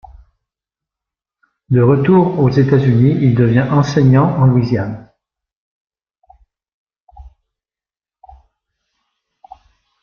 De retour aux États-Unis, il devient enseignant en Louisiane.